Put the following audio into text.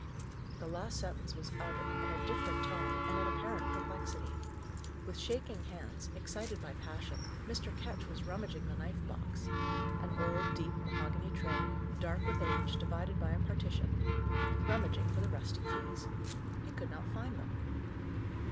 The last sentence was uttered in a different tone and in apparent perplexity. With shaking hands, excited by passion, Mr. Ketch was rummaging the knife box an old, deep, mahogany tray, dark with age, divided by a partition rummaging for the rusty keys. He could not find them.